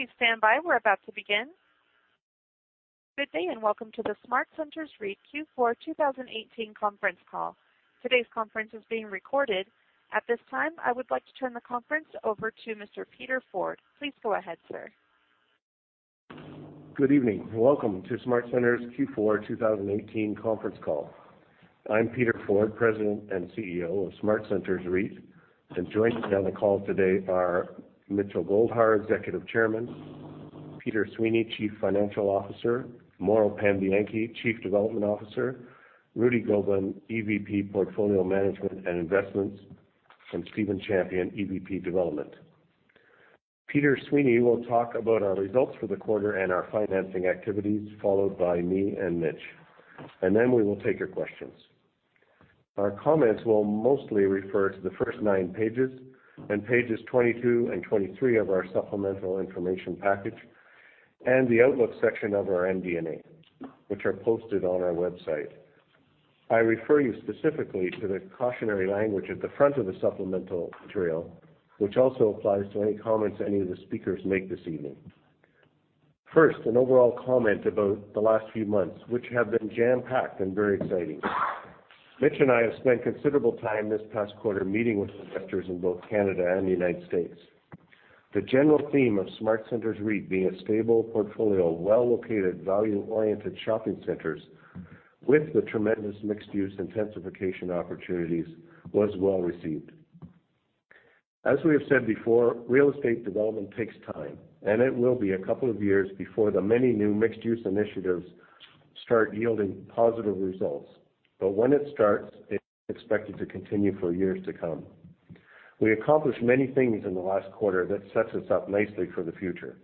Please stand by. We are about to begin. Good day, and welcome to the SmartCentres REIT Q4 2018 conference call. Today's conference is being recorded. At this time, I would like to turn the conference over to Mr. Peter Forde. Please go ahead, sir. Good evening. Welcome to SmartCentres Q4 2018 conference call. I am Peter Forde, President and CEO of SmartCentres REIT. Joining me on the call today are Mitchell Goldhar, Executive Chairman, Peter Sweeney, Chief Financial Officer, Mauro Pambianchi, Chief Development Officer, Rudy Gobin, EVP Portfolio Management and Investments, and Stephen Champion, EVP Development. Peter Sweeney will talk about our results for the quarter and our financing activities, followed by me and Mitch. Then we will take your questions. Our comments will mostly refer to the first nine pages and pages 22 and 23 of our supplemental information package and the outlook section of our MD&A, which are posted on our website. I refer you specifically to the cautionary language at the front of the supplemental material, which also applies to any comments any of the speakers make this evening. First, an overall comment about the last few months, which have been jam-packed and very exciting. Mitch and I have spent considerable time this past quarter meeting with investors in both Canada and the United States. The general theme of SmartCentres REIT being a stable portfolio of well-located, value-oriented shopping centers with the tremendous mixed-use intensification opportunities was well-received. As we have said before, real estate development takes time, and it will be a couple of years before the many new mixed-use initiatives start yielding positive results. When it starts, it is expected to continue for years to come. We accomplished many things in the last quarter that sets us up nicely for the future.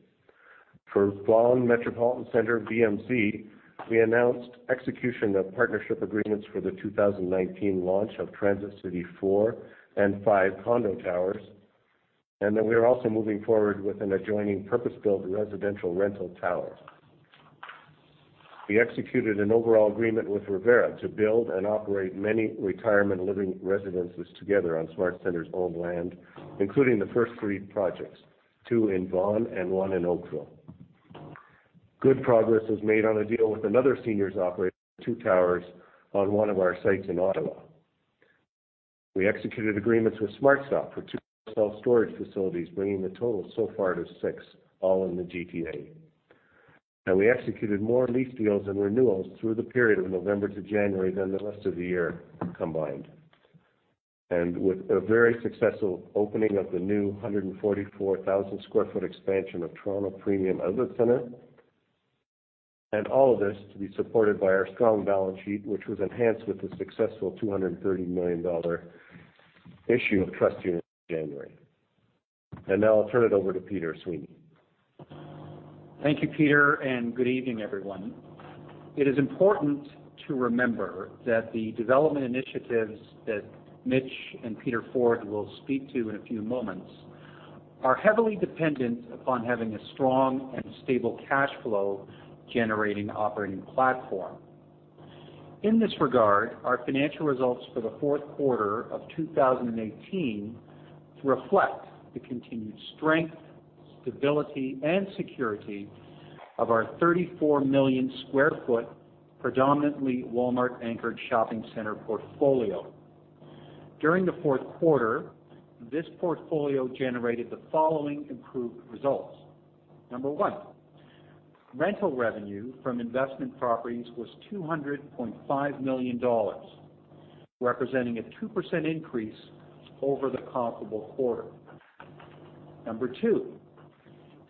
For Vaughan Metropolitan Centre, VMC, we announced execution of partnership agreements for the 2019 launch of Transit City four and five condo towers. Then we are also moving forward with an adjoining purpose-built residential rental tower. We executed an overall agreement with Revera to build and operate many retirement living residences together on SmartCentres' own land, including the first three projects, two in Vaughan and one in Oakville. Good progress was made on a deal with another seniors operator for two towers on one of our sites in Ottawa. We executed agreements with SmartStop for two self-storage facilities, bringing the total so far to six, all in the GTA. We executed more lease deals and renewals through the period of November to January than the rest of the year combined. With a very successful opening of the new 144,000 sq ft expansion of Toronto Premium Outlet Centre. All of this to be supported by our strong balance sheet, which was enhanced with the successful 230 million dollar issue of trust units in January. Now I'll turn it over to Peter Sweeney. Thank you, Peter, and good evening, everyone. It is important to remember that the development initiatives that Mitch and Peter Forde will speak to in a few moments are heavily dependent upon having a strong and stable cash flow-generating operating platform. In this regard, our financial results for the fourth quarter of 2018 reflect the continued strength, stability, and security of our 34 million sq ft, predominantly Walmart-anchored shopping center portfolio. During the fourth quarter, this portfolio generated the following improved results. Number one, rental revenue from investment properties was 200.5 million dollars, representing a 2% increase over the comparable quarter. Number two,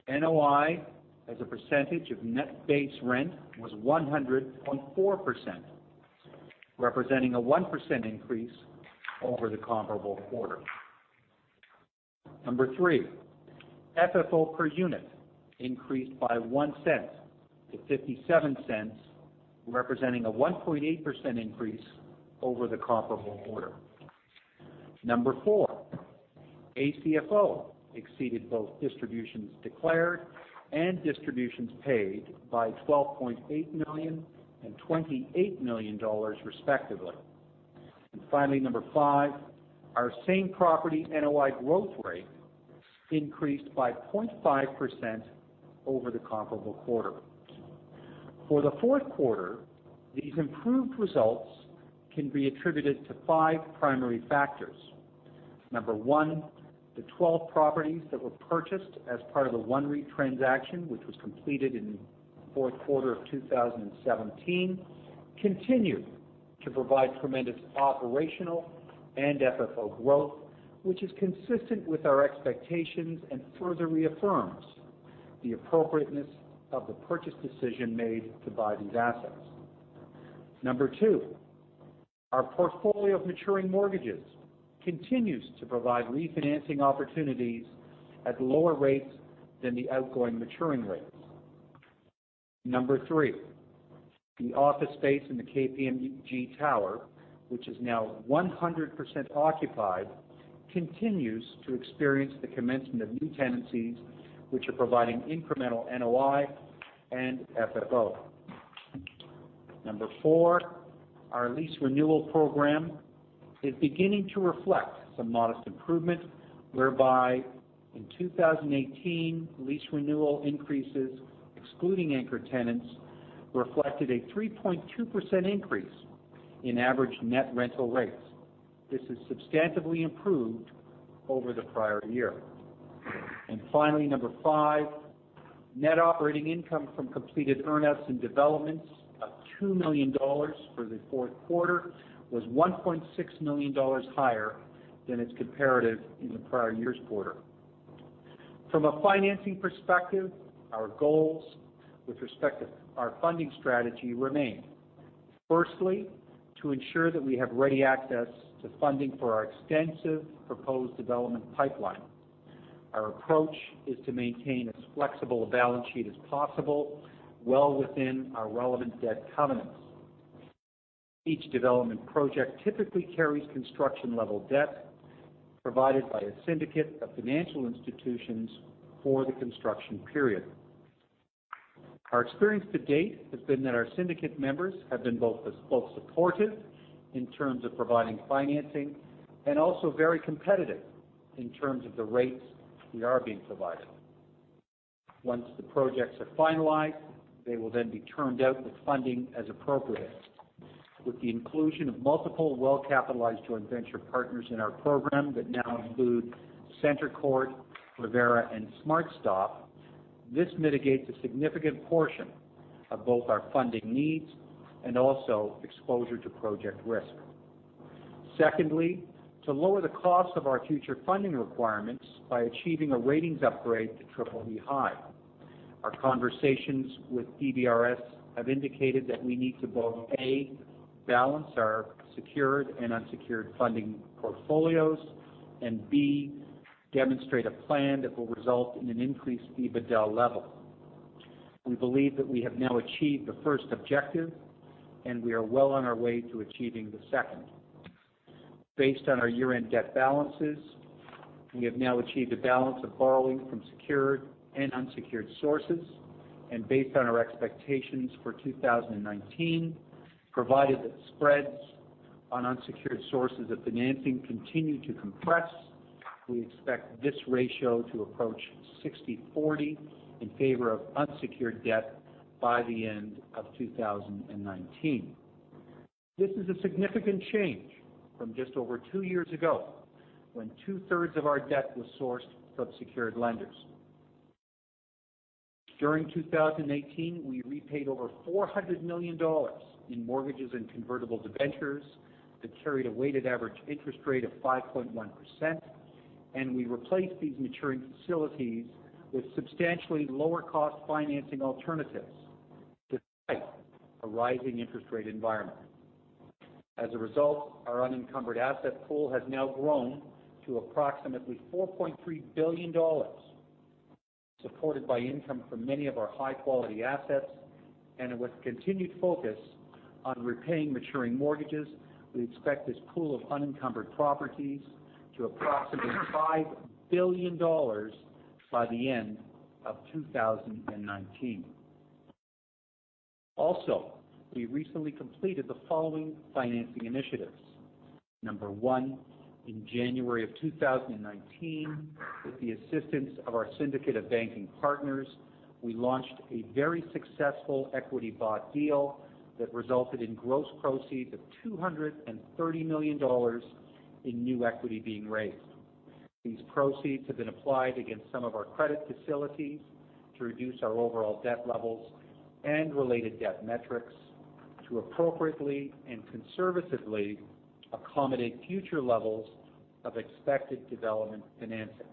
NOI as a percentage of net base rent was 100.4%, representing a 1% increase over the comparable quarter. Number three, FFO per unit increased by 0.01 to 0.57, representing a 1.8% increase over the comparable quarter. Number four, ACFO exceeded both distributions declared and distributions paid by 12.8 million and 28 million dollars, respectively. Finally, number five, our same property NOI growth rate increased by 0.5% over the comparable quarter. For the fourth quarter, these improved results can be attributed to five primary factors. Number one, the 12 properties that were purchased as part of the OneREIT transaction, which was completed in the fourth quarter of 2017, continue to provide tremendous operational and FFO growth, which is consistent with our expectations and further reaffirms the appropriateness of the purchase decision made to buy these assets. Number two, our portfolio of maturing mortgages continues to provide refinancing opportunities at lower rates than the outgoing maturing rates. Number three, the office space in the KPMG tower, which is now 100% occupied, continues to experience the commencement of new tenancies, which are providing incremental NOI and FFO. Number four, our lease renewal program is beginning to reflect some modest improvement, whereby in 2018, lease renewal increases, excluding anchor tenants, reflected a 3.2% increase in average net rental rates. This is substantively improved over the prior year. Finally, number five, net operating income from completed earn-outs and developments of 2 million dollars for the fourth quarter was 1.6 million dollars higher than its comparative in the prior year's quarter. From a financing perspective, our goals with respect to our funding strategy remain. Firstly, to ensure that we have ready access to funding for our extensive proposed development pipeline. Our approach is to maintain as flexible a balance sheet as possible, well within our relevant debt covenants. Each development project typically carries construction-level debt provided by a syndicate of financial institutions for the construction period. Our experience to date has been that our syndicate members have been both supportive in terms of providing financing, and also very competitive in terms of the rates we are being provided. Once the projects are finalized, they will then be turned out with funding as appropriate. With the inclusion of multiple well-capitalized joint venture partners in our program that now include CentreCourt, Revera, and SmartStop, this mitigates a significant portion of both our funding needs and also exposure to project risk. Secondly, to lower the cost of our future funding requirements by achieving a ratings upgrade to BBB (high). Our conversations with DBRS have indicated that we need to both, A, balance our secured and unsecured funding portfolios, and B, demonstrate a plan that will result in an increased EBITDA level. We believe that we have now achieved the first objective, and we are well on our way to achieving the second. Based on our year-end debt balances, we have now achieved a balance of borrowing from secured and unsecured sources, and based on our expectations for 2019, provided that spreads on unsecured sources of financing continue to compress, we expect this ratio to approach 60/40 in favor of unsecured debt by the end of 2019. This is a significant change from just over two years ago, when two-thirds of our debt was sourced from secured lenders. During 2018, we repaid over 400 million dollars in mortgages and convertible debentures that carried a weighted average interest rate of 5.1%, and we replaced these maturing facilities with substantially lower-cost financing alternatives, despite a rising interest rate environment. As a result, our unencumbered asset pool has now grown to approximately 4.3 billion dollars, supported by income from many of our high-quality assets, and with continued focus on repaying maturing mortgages, we expect this pool of unencumbered properties to approximately 5 billion dollars by the end of 2019. Also, we recently completed the following financing initiatives. Number one, in January of 2019, with the assistance of our syndicate of banking partners, we launched a very successful equity bought deal that resulted in gross proceeds of 230 million dollars in new equity being raised. These proceeds have been applied against some of our credit facilities to reduce our overall debt levels and related debt metrics to appropriately and conservatively accommodate future levels of expected development financing.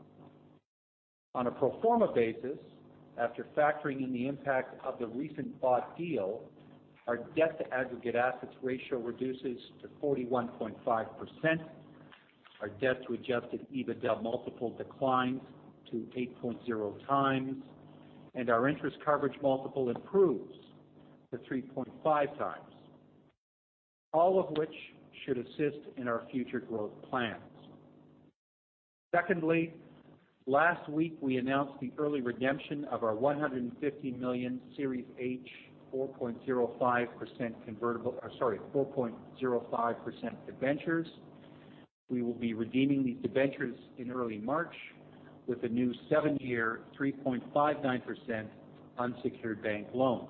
On a pro forma basis, after factoring in the impact of the recent bought deal, our debt-to-aggregate assets ratio reduces to 41.5%, our debt-to-Adjusted EBITDA multiple declines to 8.0x, and our interest coverage multiple improves to 3.5x. All of which should assist in our future growth plans. Secondly, last week, we announced the early redemption of our 150 million Series H 4.05% debentures. We will be redeeming these debentures in early March with a new seven-year, 3.59% unsecured bank loan.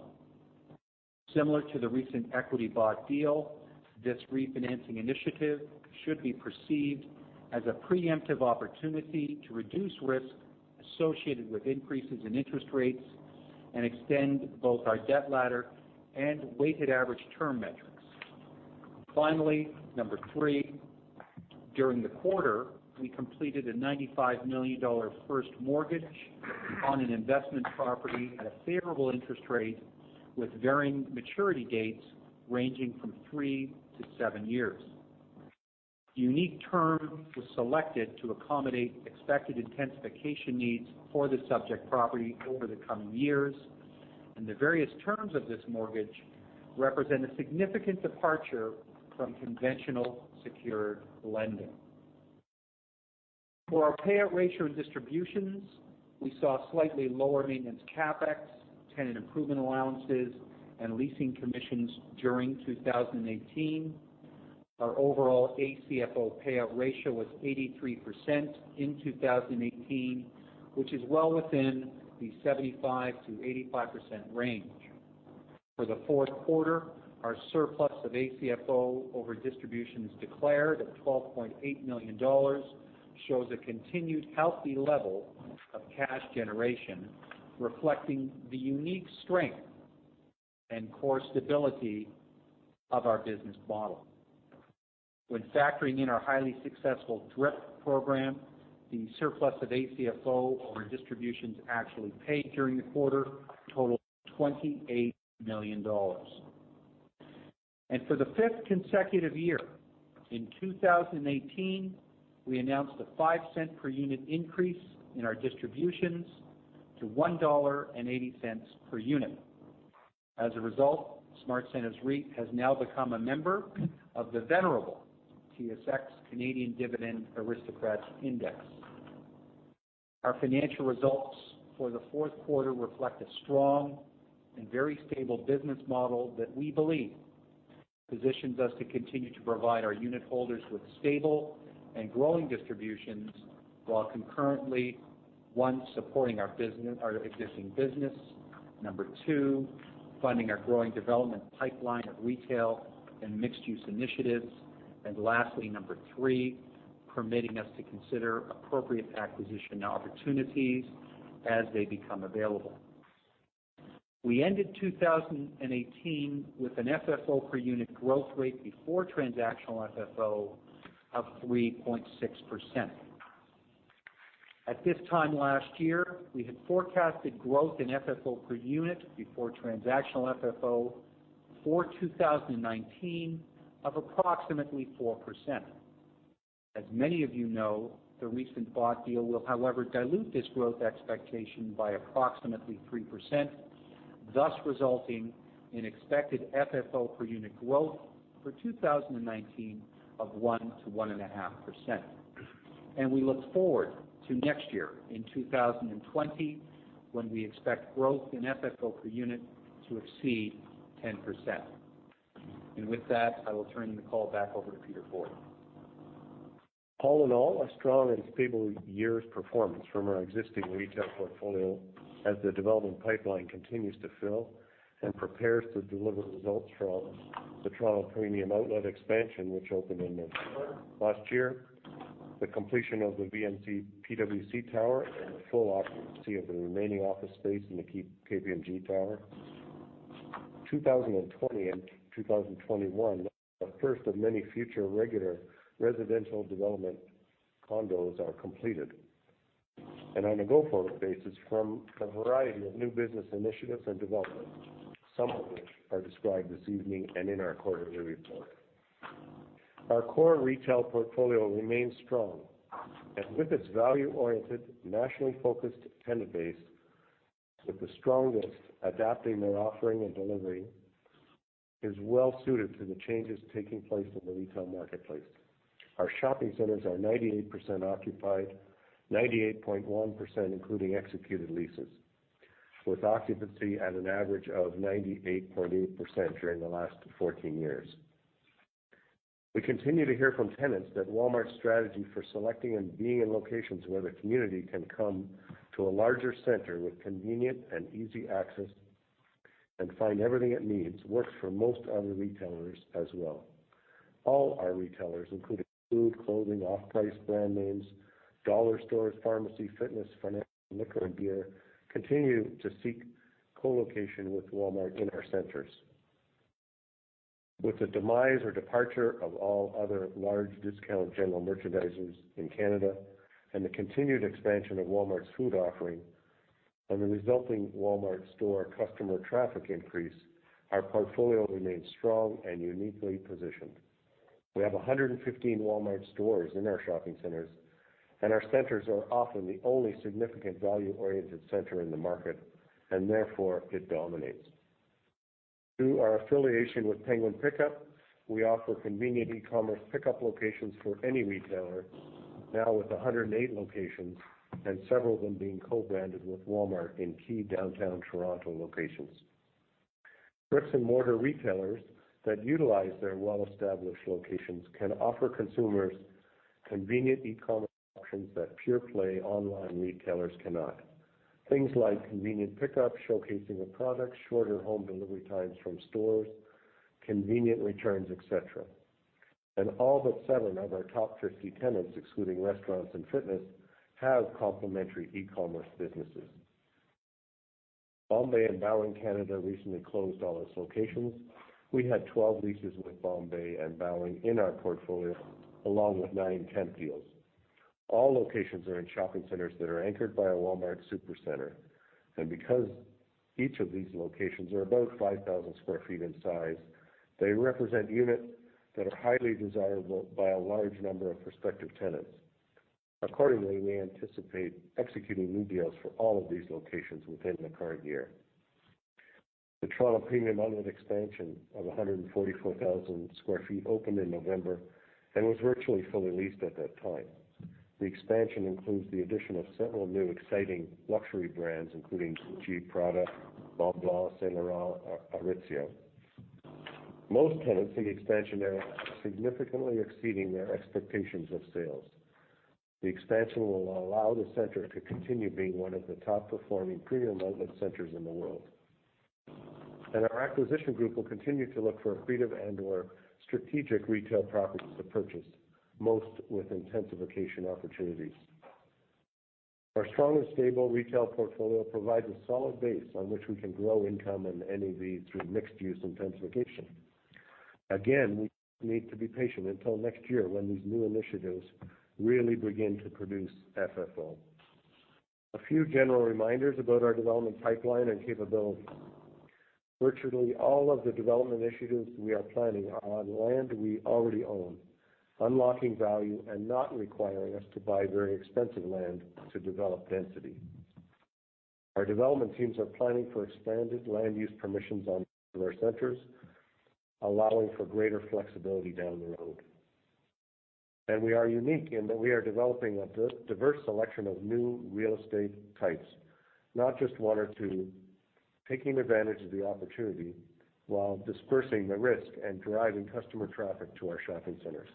Similar to the recent equity bought deal, this refinancing initiative should be perceived as a preemptive opportunity to reduce risk associated with increases in interest rates and extend both our debt ladder and weighted average term metrics. Finally, number three, during the quarter, we completed a 95 million dollar first mortgage on an investment property at a favorable interest rate with varying maturity dates ranging from three to seven years. The unique term was selected to accommodate expected intensification needs for the subject property over the coming years, and the various terms of this mortgage represent a significant departure from conventional secured lending. For our payout ratio and distributions, we saw slightly lower maintenance CapEx, tenant improvement allowances, and leasing commissions during 2018. Our overall ACFO payout ratio was 83% in 2018, which is well within the 75%-85% range. For the fourth quarter, our surplus of ACFO over distributions declared of 12.8 million dollars shows a continued healthy level of cash generation, reflecting the unique strength and core stability of our business model. When factoring in our highly successful DRIP program, the surplus of ACFO over distributions actually paid during the quarter totaled 28 million dollars. For the fifth consecutive year, in 2018, we announced a 0.05 per unit increase in our distributions to 1.80 dollar per unit. As a result, SmartCentres REIT has now become a member of the venerable S&P/TSX Canadian Dividend Aristocrats Index. Our financial results for the fourth quarter reflect a strong and very stable business model that we believe positions us to continue to provide our unitholders with stable and growing distributions while concurrently, one, supporting our existing business. Number two, funding our growing development pipeline of retail and mixed-use initiatives. Lastly, number three, permitting us to consider appropriate acquisition opportunities as they become available. We ended 2018 with an FFO per unit growth rate before transactional FFO of 3.6%. At this time last year, we had forecasted growth in FFO per unit before transactional FFO for 2019 of approximately 4%. As many of you know, the recent bought deal will, however, dilute this growth expectation by approximately 3%, thus resulting in expected FFO per unit growth for 2019 of 1%-1.5%. We look forward to next year, in 2020, when we expect growth in FFO per unit to exceed 10%. With that, I will turn the call back over to Peter Forde. All in all, a strong and stable year's performance from our existing retail portfolio as the development pipeline continues to fill and prepares to deliver results from the Toronto Premium Outlet expansion, which opened in November last year, the completion of the PwC-YMCA Tower, and the full occupancy of the remaining office space in the KPMG tower. 2020 and 2021, the first of many future regular residential development condos are completed. On a go-forward basis from the variety of new business initiatives and developments, some of which are described this evening and in our quarterly report. Our core retail portfolio remains strong and with its value-oriented, nationally focused tenant base, with the strongest adapting their offering and delivery, is well suited to the changes taking place in the retail marketplace. Our shopping centers are 98% occupied, 98.1% including executed leases, with occupancy at an average of 98.8% during the last 14 years. We continue to hear from tenants that Walmart's strategy for selecting and being in locations where the community can come to a larger center with convenient and easy access and find everything it needs works for most other retailers as well. All our retailers, including food, clothing, off-price brand names, dollar stores, pharmacy, fitness, financial, liquor, and beer, continue to seek co-location with Walmart in our centers. With the demise or departure of all other large discount general merchandisers in Canada and the continued expansion of Walmart's food offering and the resulting Walmart store customer traffic increase, our portfolio remains strong and uniquely positioned. We have 115 Walmart stores in our shopping centers. Our centers are often the only significant value-oriented center in the market, and therefore it dominates. Through our affiliation with Penguin Pick-Up, we offer convenient e-commerce pickup locations for any retailer, now with 108 locations and several of them being co-branded with Walmart in key downtown Toronto locations. Bricks-and-mortar retailers that utilize their well-established locations can offer consumers convenient e-commerce options that pure-play online retailers cannot. Things like convenient pickup, showcasing of products, shorter home delivery times from stores, convenient returns, et cetera. All but seven of our top 50 tenants, excluding restaurants and fitness, have complementary e-commerce businesses. Bombay and Bowring Canada recently closed all its locations. We had 12 leases with Bombay and Bowring in our portfolio, along with nine tent deals. All locations are in shopping centers that are anchored by a Walmart Supercenter. Because each of these locations are about 5,000 sq ft in size, they represent units that are highly desirable by a large number of prospective tenants. Accordingly, we anticipate executing new deals for all of these locations within the current year. The Toronto premium outlet expansion of 144,000 sq ft opened in November and was virtually fully leased at that time. The expansion includes the addition of several new exciting luxury brands, including Gucci, Prada, Balenciaga, Saint Laurent, Aritzia. Most tenants in the expansion are significantly exceeding their expectations of sales. The expansion will allow the center to continue being one of the top-performing premium outlet centers in the world. Our acquisition group will continue to look for accretive and/or strategic retail properties to purchase, most with intensification opportunities. Our strong and stable retail portfolio provides a solid base on which we can grow income and NAV through mixed-use intensification. Again, we need to be patient until next year when these new initiatives really begin to produce FFO. A few general reminders about our development pipeline and capabilities. Virtually all of the development initiatives we are planning are on land we already own, unlocking value and not requiring us to buy very expensive land to develop density. Our development teams are planning for expanded land use permissions on our centers, allowing for greater flexibility down the road. We are unique in that we are developing a diverse selection of new real estate types, not just one or two, taking advantage of the opportunity while dispersing the risk and driving customer traffic to our shopping centers.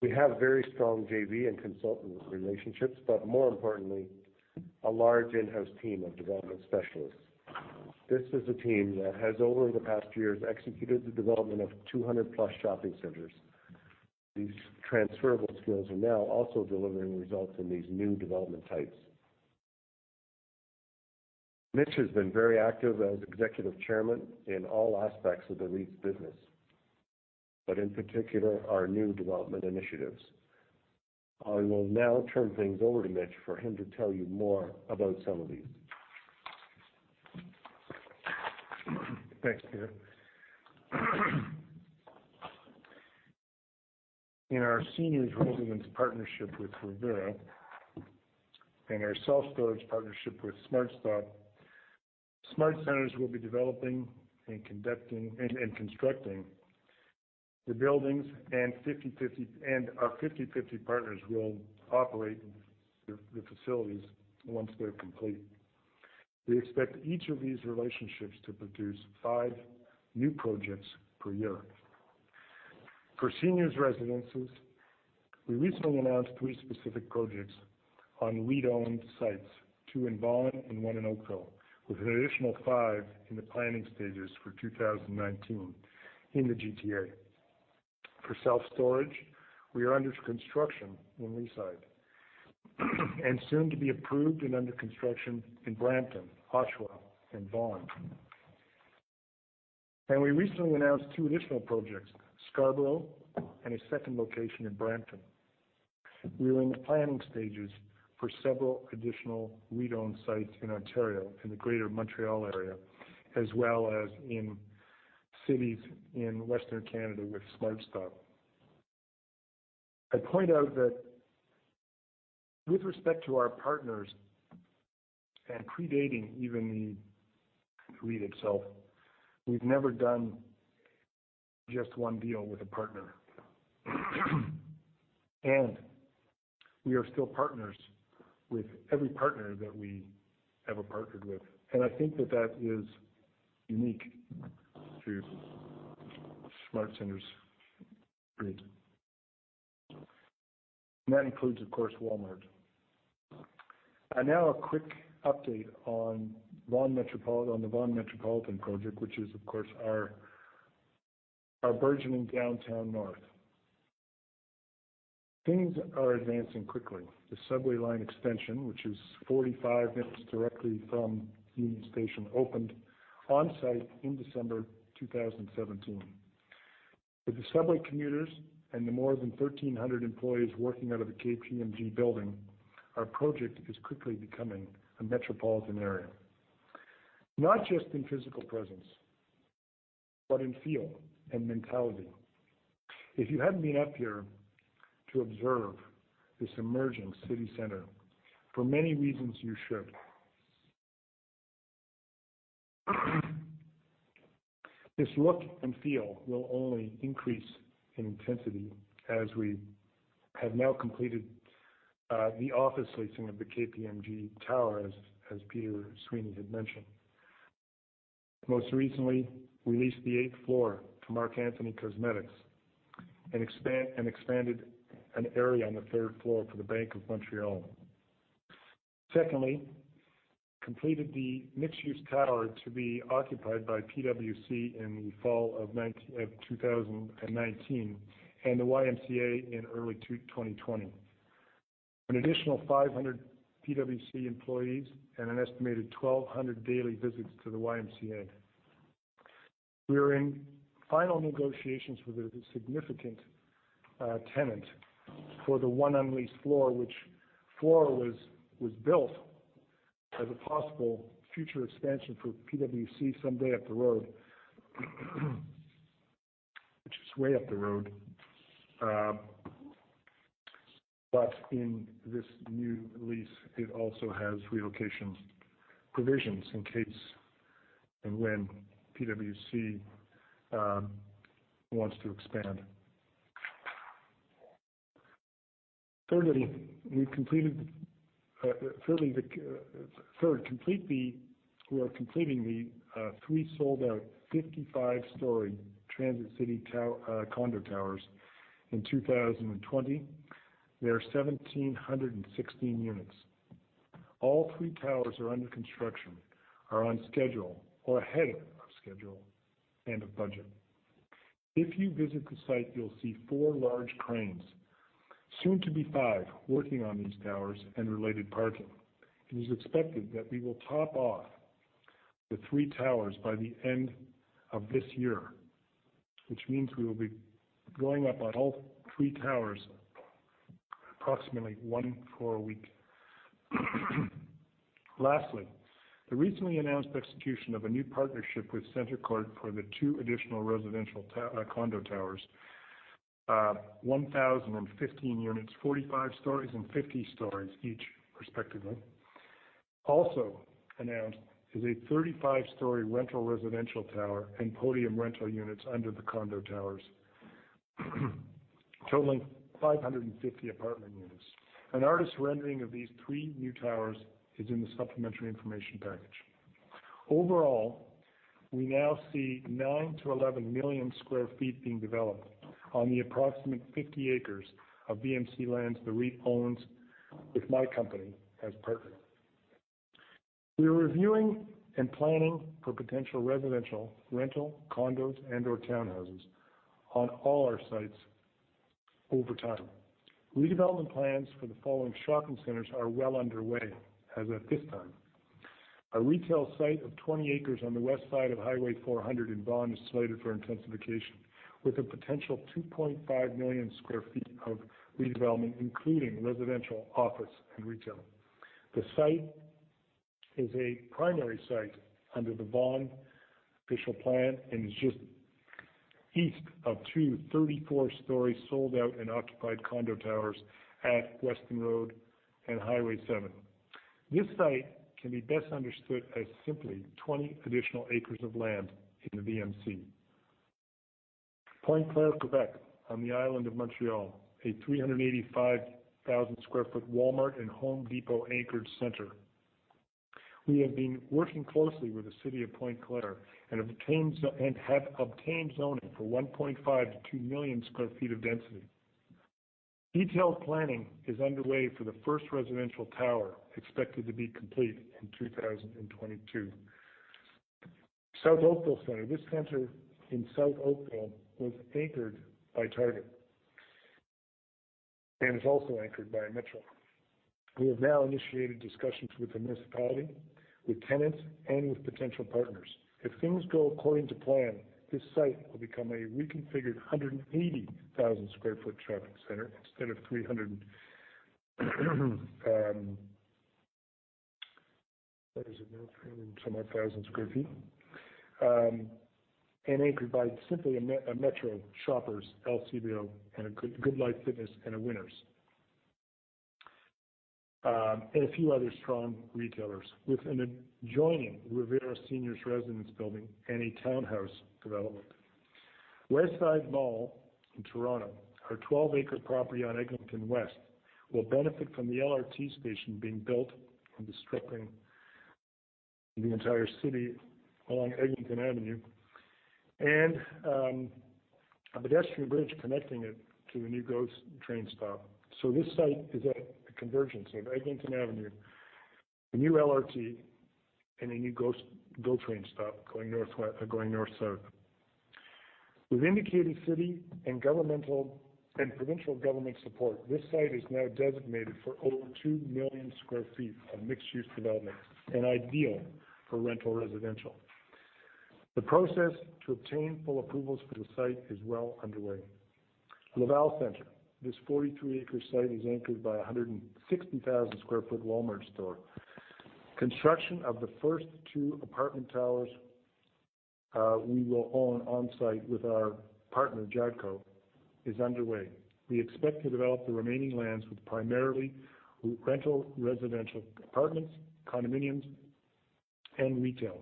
We have very strong JV and consultant relationships, but more importantly, a large in-house team of development specialists. This is a team that has, over the past years, executed the development of 200-plus shopping centers. These transferable skills are now also delivering results in these new development types. Mitch has been very active as Executive Chairman in all aspects of the REIT's business, but in particular, our new development initiatives. I will now turn things over to Mitch for him to tell you more about some of these. Thanks, Peter. In our seniors residence partnership with Revera and our self-storage partnership with SmartStop, SmartCentres will be developing and constructing the buildings, and our 50/50 partners will operate the facilities once they're complete. We expect each of these relationships to produce five new projects per year. For seniors residences, we recently announced three specific projects on REIT-owned sites, two in Vaughan and one in Oakville, with an additional five in the planning stages for 2019 in the GTA. For self-storage, we are under construction in Leaside, and soon to be approved and under construction in Brampton, Oshawa, and Vaughan. We recently announced two additional projects, Scarborough and a second location in Brampton. We are in the planning stages for several additional REIT-owned sites in Ontario and the Greater Montreal Area, as well as in cities in Western Canada with SmartStop. I point out that with respect to our partners and predating even the REIT itself, we've never done just one deal with a partner. We are still partners with every partner that we ever partnered with. I think that that is unique to SmartCentres REIT. That includes, of course, Walmart. Now a quick update on the Vaughan Metropolitan project, which is of course our burgeoning downtown north. Things are advancing quickly. The subway line extension, which is 45 minutes directly from Union Station, opened on-site in December 2017. With the subway commuters and the more than 1,300 employees working out of the KPMG building, our project is quickly becoming a metropolitan area, not just in physical presence, but in feel and mentality. If you haven't been up here to observe this emerging city center, for many reasons, you should. This look and feel will only increase in intensity as we have now completed the office leasing of the KPMG tower, as Peter Sweeney had mentioned. Most recently, we leased the eighth floor to Marc Anthony Cosmetics and expanded an area on the third floor for the Bank of Montreal. Secondly, completed the mixed-use tower to be occupied by PwC in the fall of 2019 and the YMCA in early 2020. An additional 500 PwC employees and an estimated 1,200 daily visits to the YMCA. We are in final negotiations with a significant tenant for the one unleased floor. Which floor was built as a possible future expansion for PwC someday up the road, which is way up the road. In this new lease, it also has relocation provisions in case and when PwC wants to expand. Thirdly, we are completing the three sold-out 55-story Transit City condo towers in 2020. There are 1,716 units. All three towers are under construction, are on schedule or ahead of schedule and of budget. If you visit the site, you'll see four large cranes, soon to be five, working on these towers and related parking. It is expected that we will top off the three towers by the end of this year, which means we will be going up on all three towers approximately one floor a week. Lastly, the recently announced execution of a new partnership with CentreCourt for the two additional residential condo towers, 1,015 units, 45 stories and 50 stories each, respectively. Also announced is a 35-story rental residential tower and podium rental units under the condo towers, totaling 550 apartment units. An artist's rendering of these three new towers is in the supplementary information package. Overall, we now see 9 million sq ft-11 million sq ft being developed on the approximate 50 acres of VMC lands the REIT owns with my company as partner. We are reviewing and planning for potential residential, rental, condos, and/or townhouses on all our sites over time. Redevelopment plans for the following shopping centers are well underway as of this time. Our retail site of 20 acres on the west side of Highway 400 in Vaughan is slated for intensification, with a potential 2.5 million sq ft of redevelopment, including residential, office, and retail. The site is a primary site under the Vaughan Official Plan and is just east of two 34-story sold out and occupied condo towers at Weston Road and Highway 7. This site can be best understood as simply 20 additional acres of land in the VMC. Pointe-Claire, Quebec, on the island of Montreal, a 385,000 sq ft Walmart and Home Depot anchored center. We have been working closely with the city of Pointe-Claire and have obtained zoning for 1.5 million to 2 million sq ft of density. Detailed planning is underway for the first residential tower, expected to be complete in 2022. South Oakville Centre. This center in South Oakville was anchored by Target and is also anchored by a Metro. We have now initiated discussions with the municipality, with tenants, and with potential partners. If things go according to plan, this site will become a reconfigured 180,000 sq ft shopping center instead of 300 and some odd thousand square feet. Anchored by simply a Metro, Shoppers, LCBO, and a GoodLife Fitness, and a Winners, and a few other strong retailers with an adjoining Revera seniors residence building and a townhouse development. Westside Mall in Toronto, our 12-acre property on Eglinton West, will benefit from the LRT station being built and disrupting the entire city along Eglinton Avenue, and a pedestrian bridge connecting it to the new GO train stop. This site is at the convergence of Eglinton Avenue, the new LRT, and a new GO train stop going north-south. With indicated city and provincial government support, this site is now designated for over 2 million sq ft of mixed-use development and ideal for rental residential. The process to obtain full approvals for the site is well underway. Laval Center. This 42-acre site is anchored by 160,000 sq ft Walmart store. Construction of the first two apartment towers we will own on-site with our partner, Jadco, is underway. We expect to develop the remaining lands with primarily rental residential apartments, condominiums, and retail.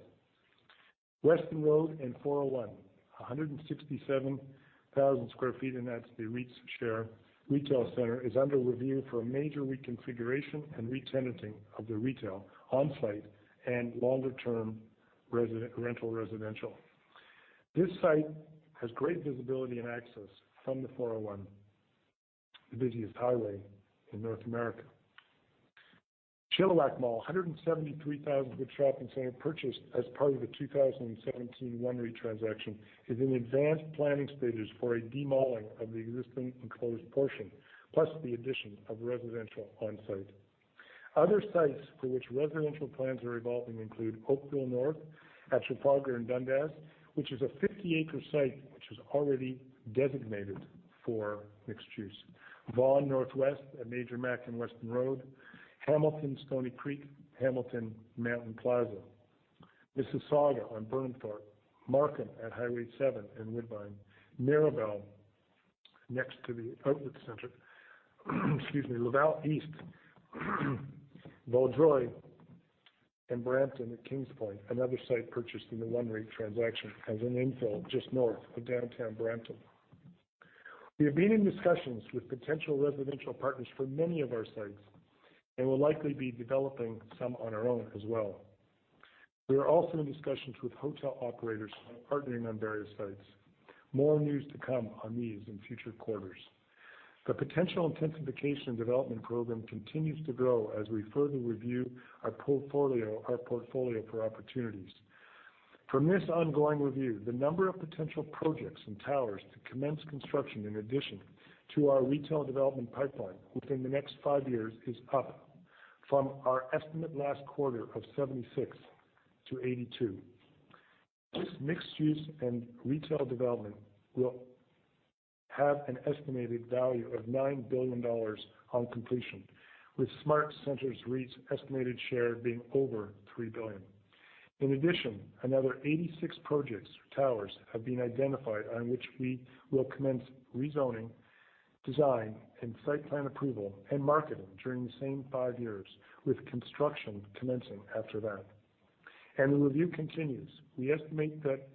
Weston Road and 401, 167,000 sq ft, and that's the REIT's share. Retail center is under review for a major reconfiguration and re-tenanting of the retail on-site and longer-term rental residential. This site has great visibility and access from the 401, the busiest highway in North America. Chilliwack Mall, 173,000 sq ft shopping center purchased as part of the 2017 OneREIT transaction, is in advanced planning stages for a de-malling of the existing enclosed portion, plus the addition of residential on-site. Other sites for which residential plans are evolving include Oakville North at Trafalgar and Dundas, which is a 50-acre site which is already designated for mixed use. Vaughan Northwest at Major Mack and Weston Road, Hamilton Stoney Creek, Hamilton Mountain Plaza. Mississauga on Burnhamthorpe, Markham at Highway 7 and Woodbine, Mirabel, next to the outlet center. Excuse me. Laval East, Vaudreuil, and Brampton at Kings Point, another site purchased in the OneREIT transaction, as an infill just north of downtown Brampton. We have been in discussions with potential residential partners for many of our sites, and we'll likely be developing some on our own as well. We are also in discussions with hotel operators on partnering on various sites. More news to come on these in future quarters. The potential intensification development program continues to grow as we further review our portfolio for opportunities. From this ongoing review, the number of potential projects and towers to commence construction in addition to our retail development pipeline within the next five years is up from our estimate last quarter of 76 to 82. This mixed use and retail development will have an estimated value of 9 billion dollars on completion, with SmartCentres REIT's estimated share being over 3 billion. In addition, another 86 projects or towers have been identified on which we will commence rezoning, design, and site plan approval, and marketing during the same five years, with construction commencing after that. The review continues. We estimate that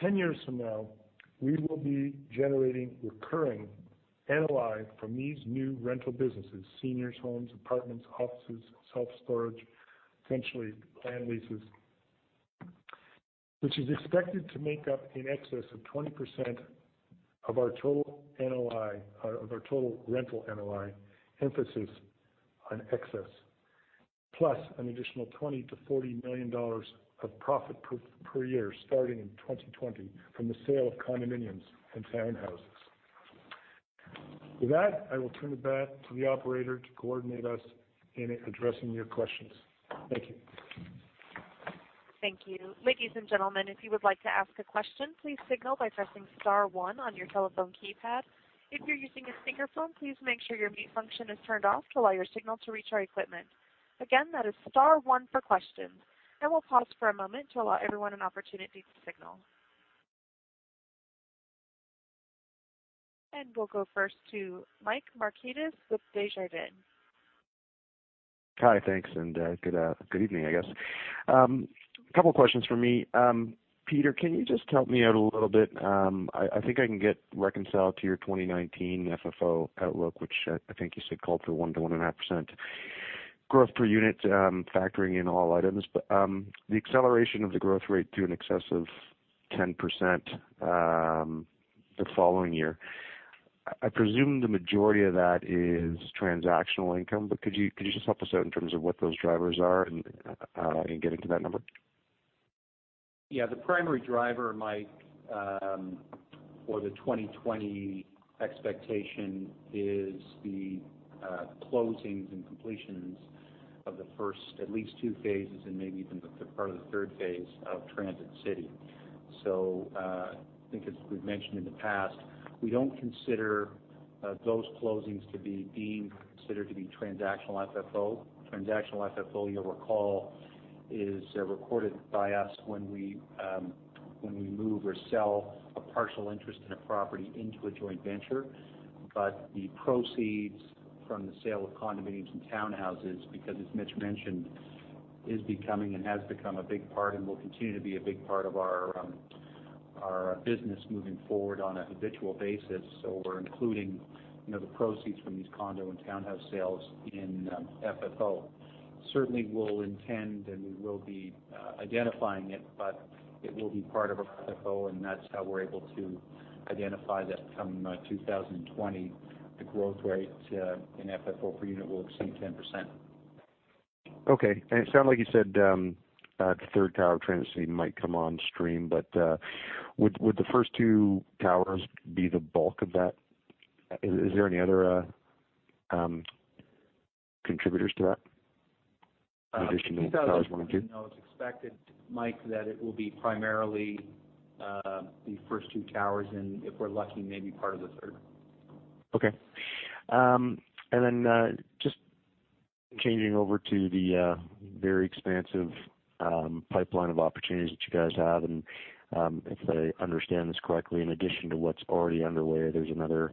10 years from now, we will be generating recurring NOI from these new rental businesses, seniors homes, apartments, offices, self-storage, potentially land leases, which is expected to make up in excess of 20% of our total rental NOI, emphasis on excess. Plus an additional 20 million-40 million dollars of profit per year starting in 2020 from the sale of condominiums and townhouses. With that, I will turn it back to the operator to coordinate us in addressing your questions. Thank you. Thank you. Ladies and gentlemen, if you would like to ask a question, please signal by pressing star one on your telephone keypad. If you're using a speakerphone, please make sure your mute function is turned off to allow your signal to reach our equipment. Again, that is star one for questions. We'll pause for a moment to allow everyone an opportunity to signal. We'll go first to Mike Markidis with Desjardins. Hi. Thanks, and good evening, I guess. Couple questions from me. Peter, can you just help me out a little bit? I think I can get reconciled to your 2019 FFO outlook, which I think you said called for 1%-1.5% growth per unit, factoring in all items. The acceleration of the growth rate to in excess of 10% the following year, I presume the majority of that is transactional income. Could you just help us out in terms of what those drivers are in getting to that number? Yeah. The primary driver, Mike, for the 2020 expectation is the closings and completions of the first at least two phases and maybe even part of the third phase of Transit City. I think as we've mentioned in the past, we don't consider those closings to be being considered to be transactional FFO. Transactional FFO, you'll recall, is recorded by us when we move or sell a partial interest in a property into a joint venture. The proceeds from the sale of condominiums and townhouses, because as Mitch mentioned, is becoming and has become a big part and will continue to be a big part of our business moving forward on a habitual basis. We're including the proceeds from these condo and townhouse sales in FFO. Certainly, we'll intend, and we will be identifying it, but it will be part of our FFO, and that's how we're able to identify that come 2020, the growth rate in FFO per unit will exceed 10%. Okay. It sounded like you said the third tower of Transit City might come on stream, but would the first two towers be the bulk of that? Is there any other contributors to that in addition to the towers one and two? In 2020, it's expected, Mike, that it will be primarily the first two towers and if we're lucky, maybe part of the third. Okay. Just changing over to the very expansive pipeline of opportunities that you guys have. If I understand this correctly, in addition to what's already underway, there's another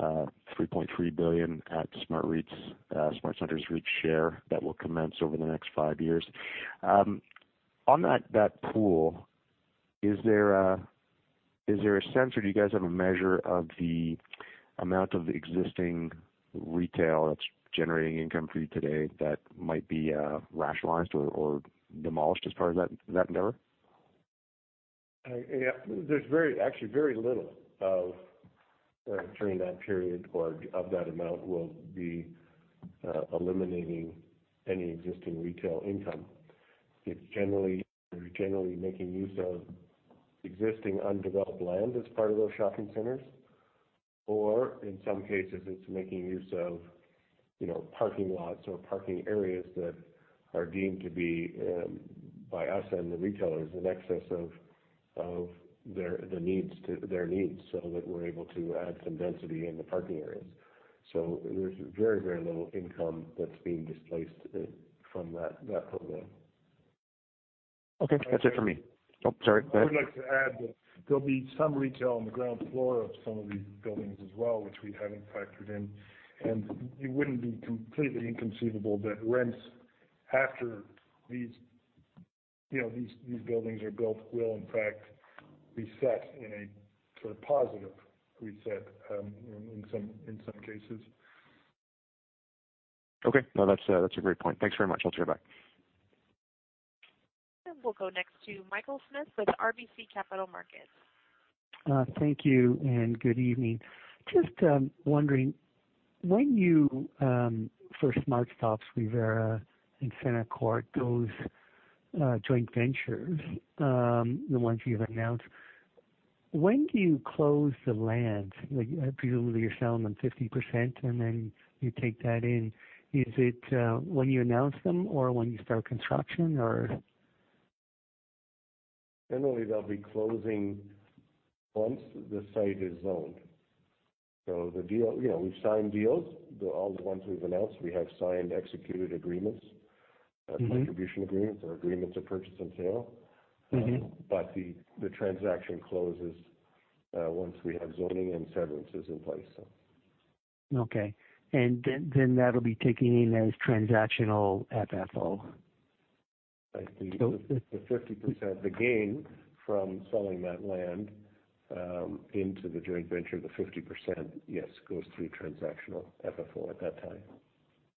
3.3 billion at SmartCentres REIT's share that will commence over the next five years. On that pool, is there a sense, or do you guys have a measure of the amount of existing retail that's generating income for you today that might be rationalized or demolished as part of that endeavor? There's actually very little during that period or of that amount will be eliminating any existing retail income. We're generally making use of existing undeveloped land as part of those shopping centers, or in some cases, it's making use of parking lots or parking areas that are deemed to be, by us and the retailers, in excess of their needs, that we're able to add some density in the parking areas. There's very, very little income that's being displaced from that program. Okay. That's it for me. Oh, sorry, go ahead. I would like to add that there'll be some retail on the ground floor of some of these buildings as well, which we haven't factored in. It wouldn't be completely inconceivable that rents after these buildings are built will in fact reset in a sort of positive reset, in some cases. Okay. No, that's a great point. Thanks very much. I'll turn it back. We'll go next to Michael Smith with RBC Capital Markets. Thank you, and good evening. Just wondering, for SmartStop, Revera, and CentreCourt, those joint ventures, the ones you've announced, when do you close the land? Presumably, you're selling them 50%, and then you take that in. Is it when you announce them or when you start construction, or? Generally, they'll be closing once the site is zoned. We've signed deals. All the ones we've announced, we have signed, executed agreements- contribution agreements or agreements of purchase and sale. The transaction closes once we have zoning and severance is in place. Okay. Then that'll be taking in as transactional FFO? I see. The 50%, the gain from selling that land, into the joint venture, the 50%, yes, goes through transactional FFO at that time.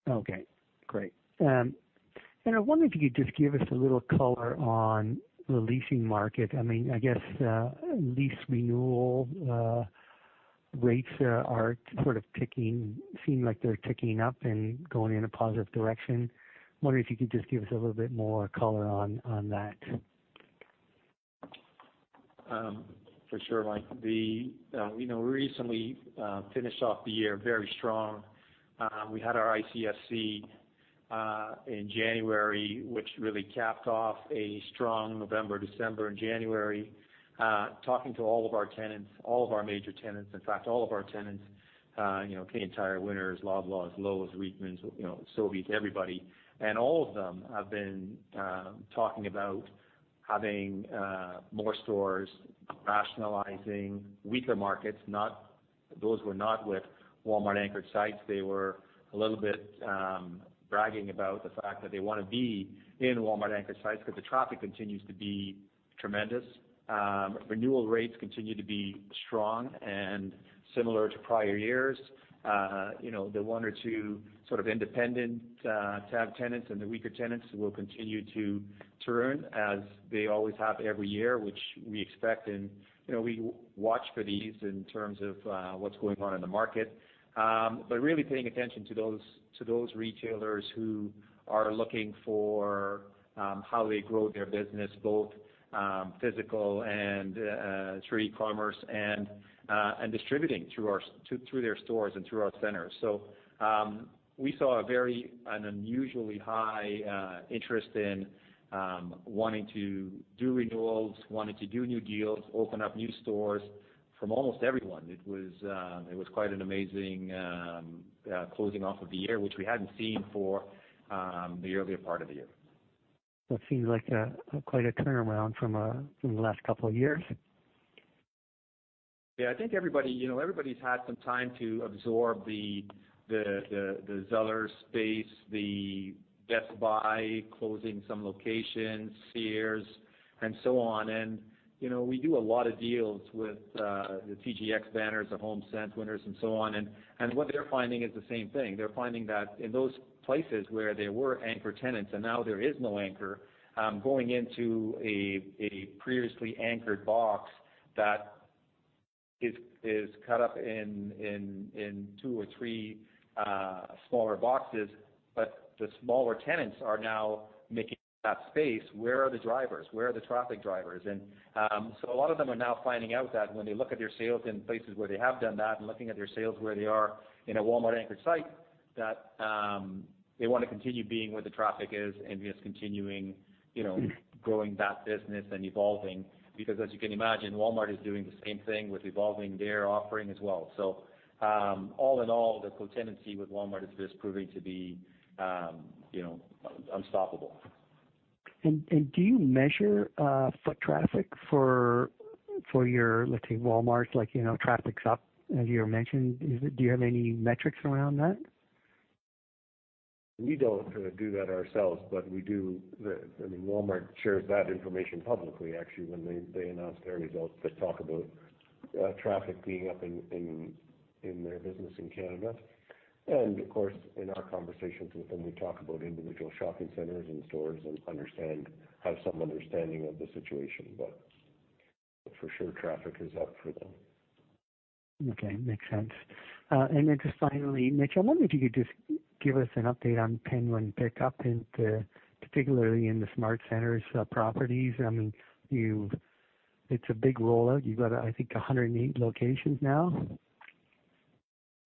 Okay. Great. I wonder if you could just give us a little color on the leasing market. I guess, lease renewal rates seem like they're ticking up and going in a positive direction. I'm wondering if you could just give us a little bit more color on that. For sure, Mike. We recently finished off the year very strong. We had our ICSC in January, which really capped off a strong November, December, and January. Talking to all of our tenants, all of our major tenants, in fact, all of our tenants, Canadian Tire, Winners, Loblaws, Lowe's, Reitmans, Sobeys, everybody. All of them have been talking about having more stores, rationalizing weaker markets. Those were not with Walmart anchored sites. They were a little bit bragging about the fact that they want to be in Walmart anchored sites because the traffic continues to be tremendous. Renewal rates continue to be strong and similar to prior years. The one or two sort of independent tab tenants and the weaker tenants will continue to turn as they always have every year, which we expect and we watch for these in terms of what's going on in the market. Really paying attention to those retailers who are looking for how they grow their business, both physical and through e-commerce and distributing through their stores and through our centers. We saw a very, an unusually high interest in wanting to do renewals, wanting to do new deals, open up new stores from almost everyone. It was quite an amazing closing off of the year, which we hadn't seen for the earlier part of the year. That seems like quite a turnaround from the last couple of years. Yeah, I think everybody's had some time to absorb the Zellers space, the Best Buy closing some locations, Sears, and so on. We do a lot of deals with the TJX banners, the HomeSense, Winners, and so on. What they're finding is the same thing. They're finding that in those places where there were anchor tenants and now there is no anchor, going into a previously anchored box that is cut up in two or three smaller boxes, but the smaller tenants are now making that space. Where are the drivers? Where are the traffic drivers? A lot of them are now finding out that when they look at their sales in places where they have done that and looking at their sales where they are in a Walmart anchored site, that they want to continue being where the traffic is and just continuing growing that business and evolving. Because as you can imagine, Walmart is doing the same thing with evolving their offering as well. All in all, the co-tenancy with Walmart is just proving to be unstoppable. Do you measure foot traffic for your, let's say, Walmarts, like traffic is up as you mentioned. Do you have any metrics around that? We don't do that ourselves, Walmart shares that information publicly actually, when they announce their results that talk about traffic being up in their business in Canada. Of course, in our conversations with them, we talk about individual shopping centers and stores and have some understanding of the situation, for sure, traffic is up for them. Okay, makes sense. Just finally, Mitch, I wonder if you could just give us an update on Penguin Pick-Up, particularly in the SmartCentres properties. It is a big rollout. You've got, I think, 108 locations now.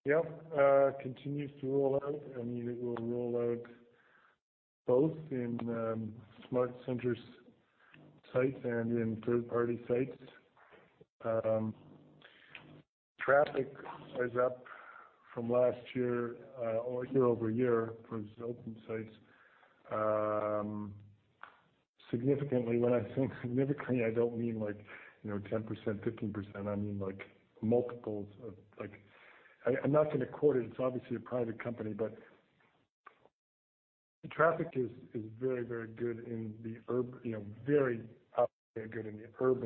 Yep. Continues to roll out, it will roll out both in SmartCentres sites and in third-party sites. Traffic is up from last year, or YoY, for open sites, significantly. When I think significantly, I don't mean 10%, 15%. I mean multiples of I'm not going to quote it. It's obviously a private company. Traffic is very good in the urban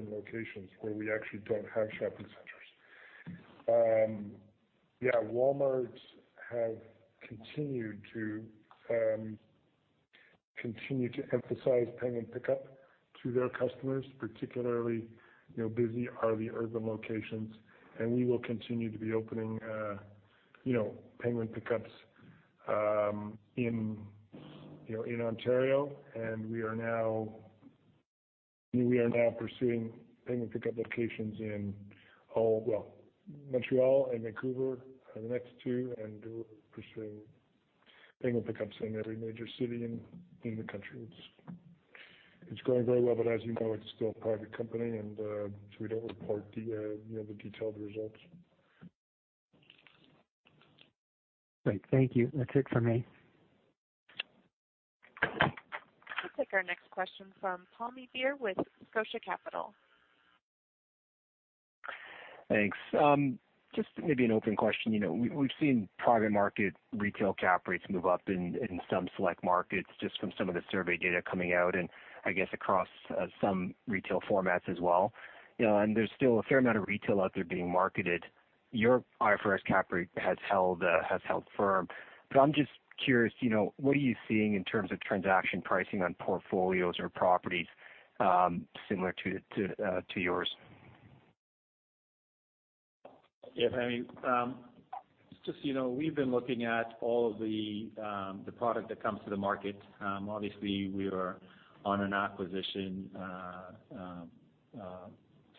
locations where we actually don't have shopping centers. Yeah, Walmarts have continued to emphasize Penguin Pick-Up to their customers, particularly busy are the urban locations. We will continue to be opening Penguin Pick-Ups in Ontario. We are now pursuing Penguin Pick-Up locations in Montreal and Vancouver are the next two, we're pursuing Penguin Pick-Ups in every major city in the country. It's growing very well. As you know, it's still a private company, so we don't report the detailed results. Great, thank you. That's it for me. We'll take our next question from Pammi Bir with Scotia Capital. Thanks. Just maybe an open question. We've seen private market retail cap rates move up in some select markets, just from some of the survey data coming out, and I guess across some retail formats as well. There's still a fair amount of retail out there being marketed. Your IFRS cap rate has held firm. I'm just curious, what are you seeing in terms of transaction pricing on portfolios or properties similar to yours? Yeah, Pammi. We've been looking at all of the product that comes to the market. Obviously, we are on an acquisition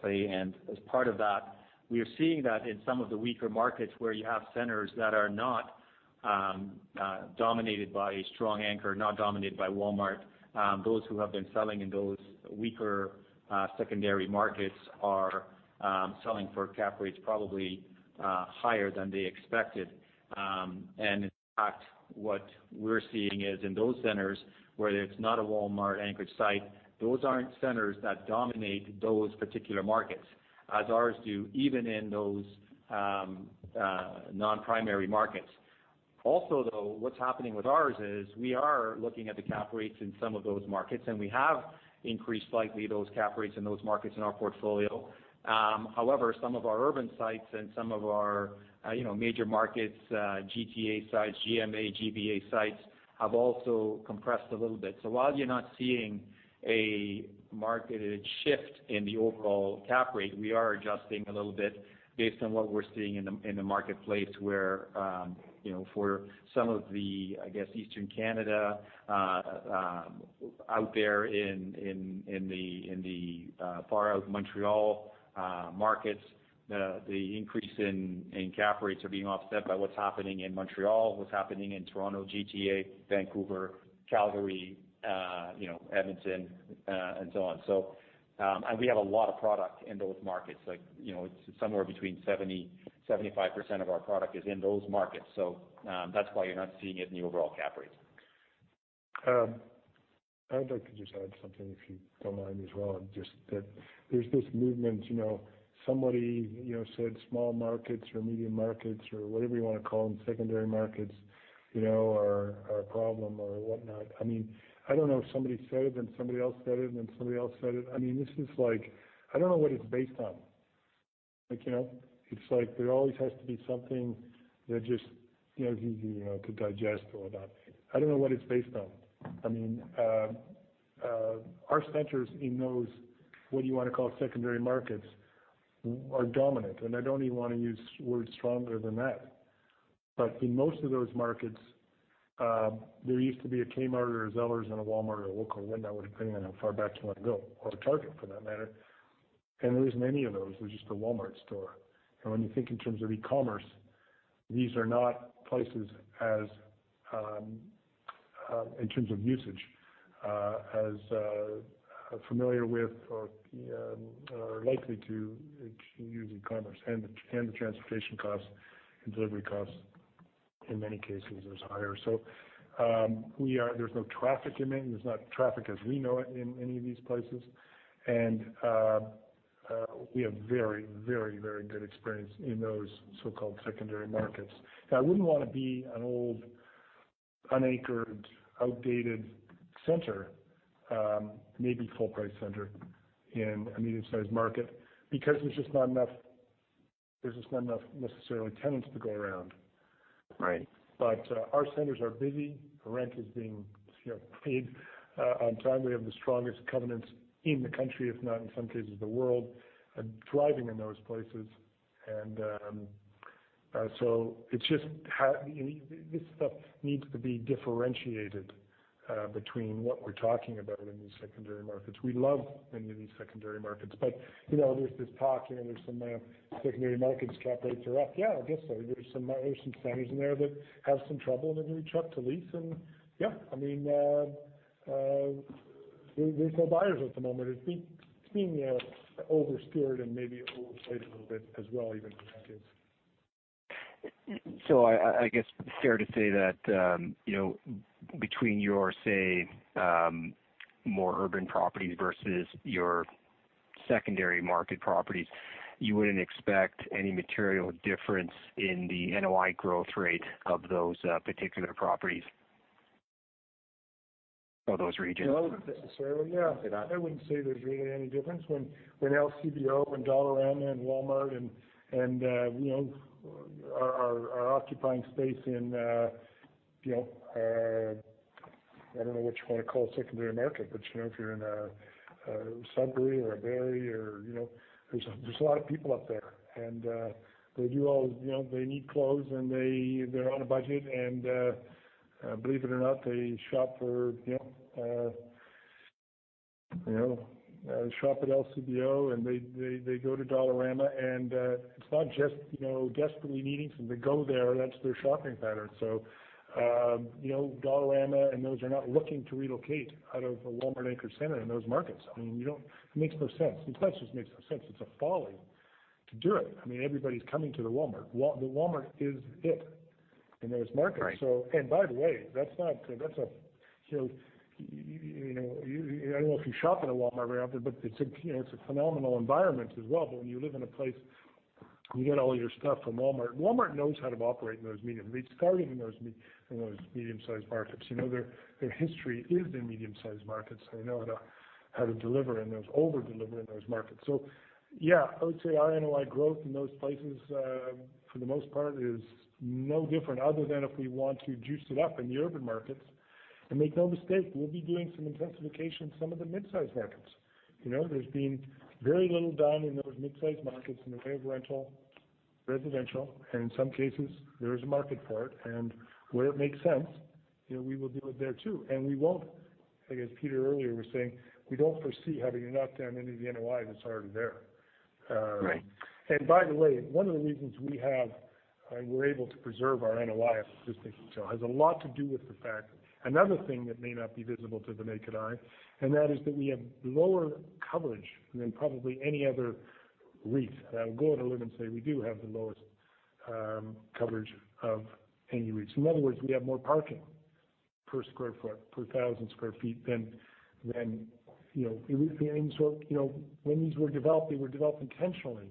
play. As part of that, we are seeing that in some of the weaker markets where you have centers that are not dominated by a strong anchor, not dominated by Walmart. Those who have been selling in those weaker secondary markets are selling for cap rates probably higher than they expected. In fact, what we're seeing is in those centers where there's not a Walmart anchored site, those aren't centers that dominate those particular markets, as ours do, even in those non-primary markets. Though, what's happening with ours is we are looking at the cap rates in some of those markets, and we have increased slightly those cap rates in those markets in our portfolio. However, some of our urban sites and some of our major markets, GTA sites, Greater Montreal Area, GVA sites, have also compressed a little bit. While you're not seeing a marketed shift in the overall cap rate, we are adjusting a little bit based on what we're seeing in the marketplace where for some of the, I guess, Eastern Canada out there in the far out Montreal markets, the increase in cap rates are being offset by what's happening in Montreal, what's happening in Toronto, GTA, Vancouver, Calgary, Edmonton, and so on. We have a lot of product in those markets. It's somewhere between 70%-75% of our product is in those markets. That's why you're not seeing it in the overall cap rates. I would like to just add something, if you don't mind as well, just that there's this movement. Somebody said small markets or medium markets or whatever you want to call them, secondary markets, are a problem or whatnot. I don't know if somebody said it, then somebody else said it, and then somebody else said it. I don't know what it's based on. It's like there always has to be something that just, to digest or whatnot. I don't know what it's based on. Our centers in those, what you want to call secondary markets, are dominant, and I don't even want to use words stronger than that. In most of those markets, there used to be a Kmart or a Zellers and a Walmart or a Loblaws, depending on how far back you want to go, or Target for that matter. There isn't any of those. There's just a Walmart store. When you think in terms of e-commerce, these are not places, in terms of usage, as familiar with or likely to use e-commerce. The transportation costs and delivery costs, in many cases, is higher. There's no traffic in many. There's not traffic as we know it in any of these places. We have very good experience in those so-called secondary markets. I wouldn't want to be an old, unanchored, outdated center, maybe full price center, in a medium-sized market because there's just not enough, necessarily, tenants to go around. Right. Our centers are busy. The rent is being paid on time. We have the strongest covenants in the country, if not in some cases the world, driving in those places. This stuff needs to be differentiated between what we're talking about in these secondary markets. We love many of these secondary markets, there's this talk, there's some secondary markets, cap rates are up. Yeah. I guess there's some centers in there that have some trouble, and a new truck to lease, and yeah. There's no buyers at the moment. It's been over-steered and maybe overplayed a little bit as well, even for that case. I guess it's fair to say that, between your, say, more urban properties versus your secondary market properties, you wouldn't expect any material difference in the NOI growth rate of those particular properties or those regions? No, not necessarily. Okay. Got it. I wouldn't say there's really any difference when LCBO and Dollarama and Walmart are occupying space in I don't know what you want to call a secondary market, but if you're in a Sudbury or a Barrie. There's a lot of people out there, and they need clothes, and they're on a budget, and believe it or not, they shop at LCBO, and they go to Dollarama. It's not just desperately needing some. They go there, and that's their shopping pattern. Dollarama and those are not looking to relocate out of a Walmart anchor center in those markets. It makes no sense. It just makes no sense. It's a folly to do it. Everybody's coming to the Walmart. The Walmart is it in those markets. Right. By the way, I don't know if you shop at a Walmart very often, it's a phenomenal environment as well. When you live in a place, you get all your stuff from Walmart. Walmart knows how to operate in those medium. They started in those medium-sized markets. Their history is in medium-sized markets. They know how to over-deliver in those markets. Yeah, I would say our NOI growth in those places, for the most part, is no different other than if we want to juice it up in the urban markets. Make no mistake, we'll be doing some intensification in some of the mid-size markets. There's been very little done in those mid-size markets in the way of rental, residential, and in some cases, there is a market for it. Where it makes sense, we will do it there, too. We won't, I guess Peter earlier was saying, we don't foresee having to knock down any of the NOI that's already there. Right. By the way, one of the reasons we have, and we're able to preserve our NOI at this stage, has a lot to do with the fact. Another thing that may not be visible to the naked eye, that is that we have lower coverage than probably any other REIT. I would go out on a limb and say we do have the lowest coverage of any REITs. In other words, we have more parking per square foot, per 1,000 sq ft. When these were developed, they were developed intentionally.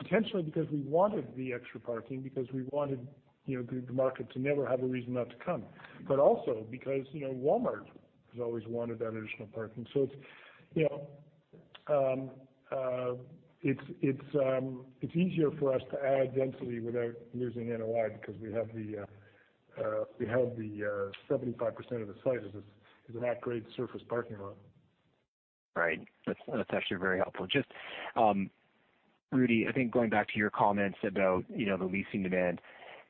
Intentionally because we wanted the extra parking, because we wanted the market to never have a reason not to come. Also because Walmart has always wanted that additional parking. It's easier for us to add density without losing NOI because we have the 75% of the site as an at-grade surface parking lot. Right. That's actually very helpful. Just, Rudy, I think going back to your comments about the leasing demand.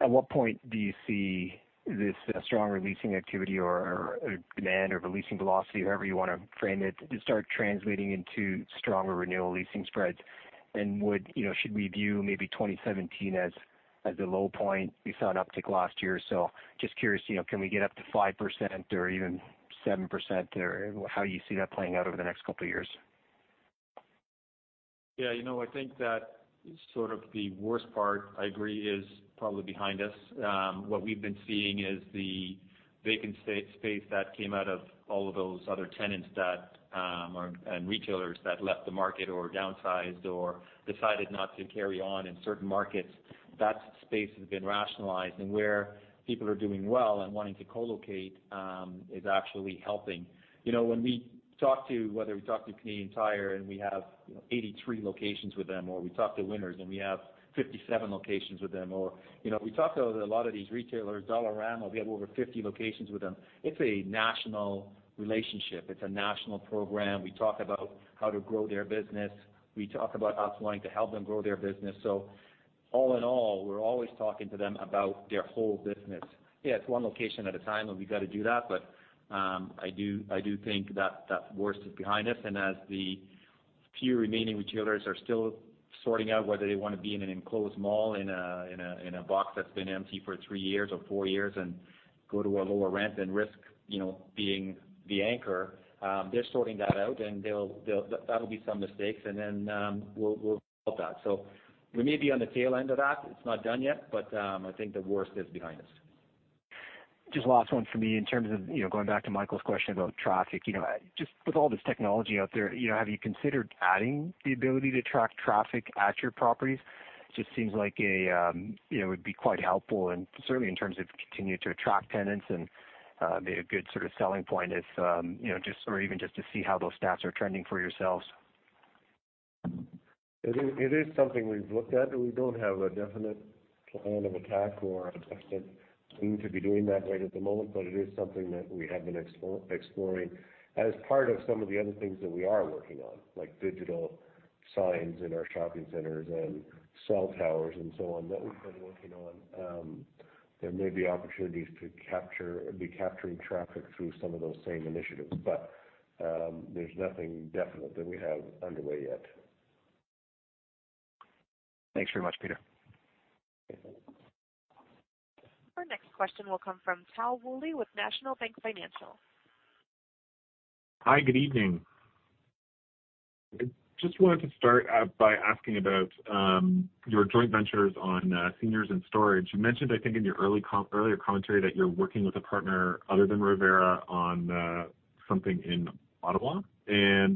At what point do you see this stronger leasing activity or demand or leasing velocity, however you want to frame it, start translating into stronger renewal leasing spreads? Should we view maybe 2017 as the low point? We saw an uptick last year, so just curious, can we get up to 5% or even 7% there? How you see that playing out over the next couple of years? Yeah. I think that sort of the worst part, I agree, is probably behind us. What we've been seeing is the vacant space that came out of all of those other tenants that, and retailers that left the market or downsized or decided not to carry on in certain markets. That space has been rationalized. Where people are doing well and wanting to co-locate is actually helping. When we talk to, whether we talk to Canadian Tire, and we have 83 locations with them, or we talk to Winners, and we have 57 locations with them. Or we talk to a lot of these retailers, Dollarama, we have over 50 locations with them. It's a national relationship. It's a national program. We talk about how to grow their business. We talk about us wanting to help them grow their business. All in all, we're always talking to them about their whole business. Yeah, it's one location at a time, and we got to do that. I do think that the worst is behind us. As the few remaining retailers are still sorting out whether they want to be in an enclosed mall in a box that's been empty for three years or four years and go to a lower rent and risk being the anchor. They're sorting that out, and that'll be some mistakes, and then we'll help that. We may be on the tail end of that. It's not done yet, but I think the worst is behind us. Just last one for me in terms of going back to Michael's question about traffic. Just with all this technology out there, have you considered adding the ability to track traffic at your properties? Just seems like it would be quite helpful and certainly in terms of continuing to attract tenants and be a good sort of selling point if or even just to see how those stats are trending for yourselves. It is something we've looked at. We don't have a definite plan of attack or a definite plan to be doing that right at the moment, but it is something that we have been exploring as part of some of the other things that we are working on, like digital signs in our shopping centers and cell towers and so on that we've been working on. There may be opportunities to be capturing traffic through some of those same initiatives. There's nothing definite that we have underway yet. Thanks very much, Peter. Our next question will come from Tal Woolley with National Bank Financial. Hi, good evening. I just wanted to start out by asking about your joint ventures on seniors and storage. You mentioned, I think in your earlier commentary, that you're working with a partner other than Revera on something in Ottawa. I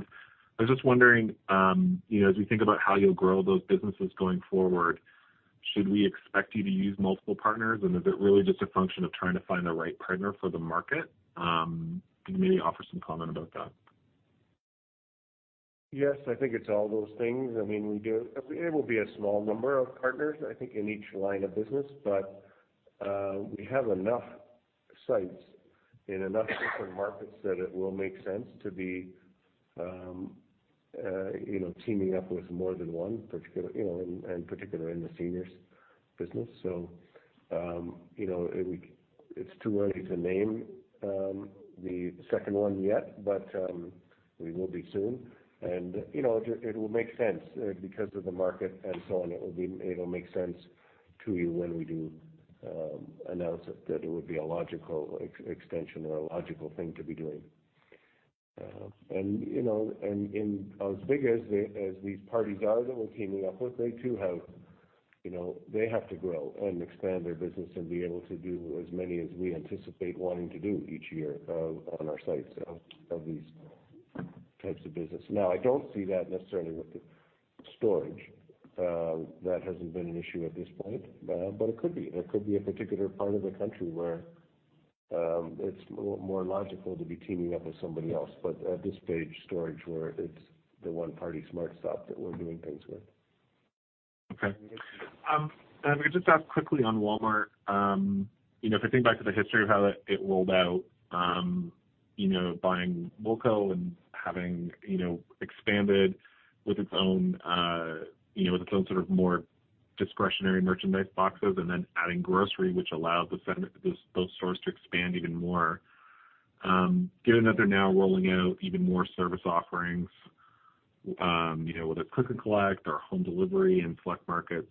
was just wondering, as we think about how you'll grow those businesses going forward, should we expect you to use multiple partners, and is it really just a function of trying to find the right partner for the market? Can you maybe offer some comment about that? Yes, I think it's all those things. It will be a small number of partners, I think, in each line of business. We have enough sites in enough different markets that it will make sense to be teaming up with more than one, and particular in the seniors business. It's too early to name the second one yet. We will be soon. It will make sense because of the market and so on. It will make sense to you when we do announce it, that it would be a logical extension or a logical thing to be doing. As big as these parties are that we're teaming up with, they have to grow and expand their business and be able to do as many as we anticipate wanting to do each year on our sites of these types of business. I don't see that necessarily with the storage. That hasn't been an issue at this point. It could be. There could be a particular part of the country where it's more logical to be teaming up with somebody else. At this stage, storage where it's the one party, SmartStop, that we're doing things with. Okay. If I could just ask quickly on Walmart, if I think back to the history of how it rolled out buying Woolco and having expanded with its own sort of more discretionary merchandise boxes, then adding grocery, which allowed those stores to expand even more. Given that they're now rolling out even more service offerings, whether click and collect or home delivery in select markets,